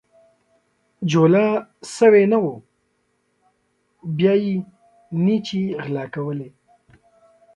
جولا سوى نه وو ، بيا يې نيچې غلا کولې.